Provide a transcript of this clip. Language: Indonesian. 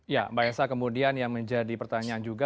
ya mbak esa kemudian yang menjadi pertanyaan juga